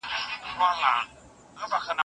ایا هلک په دروازه کې ولاړ دی؟